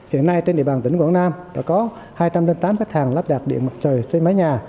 hiện nay trên địa bàn tỉnh quảng nam đã có hai trăm linh tám khách hàng lắp đặt điện mặt trời trên mái nhà